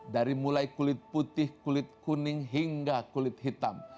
dari mulai kulit putih kulit kuning hingga kulit hitam